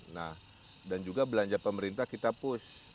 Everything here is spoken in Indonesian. nah dan juga belanja pemerintah kita push